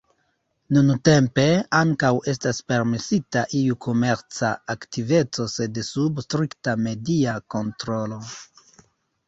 Nuntempe, ankaŭ estas permesita iu komerca aktiveco sed sub strikta media kontrolo.